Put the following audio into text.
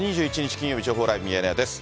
金曜日、情報ライブミヤネ屋です。